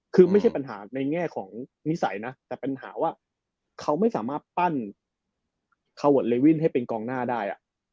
คือไม่ใช่ปัญหาในแง่ของนิสัยนะแต่ปัญหาว่าเขาไม่สามารถปั้นคาเวิร์ดเลวินให้เป็นกองหน้าได้